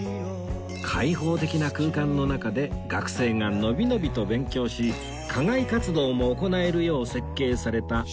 開放的な空間の中で学生がのびのびと勉強し課外活動も行えるよう設計された次世代型の教育施設です